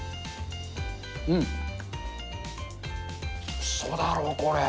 うそだろ、これ。